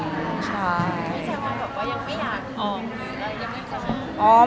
ไม่ใช่ว่ายังไม่อยากออกหรืออะไรก็ยังไม่ขอบคุณ